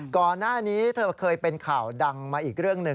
ก่อนหน้านี้เธอเคยเป็นข่าวดังมาอีกเรื่องหนึ่ง